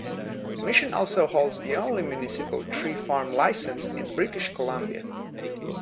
Mission also holds the only municipal tree farm license in British Columbia.